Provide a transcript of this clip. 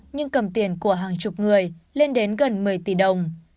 nhưng cầm tiền của hàng chục người lên đến gần một mươi tỷ đồng